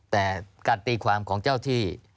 แต่การตีความของเจ้าที่